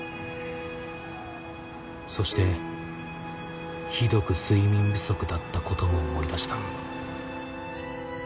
そしてひどく睡眠不足だったことも思い出した。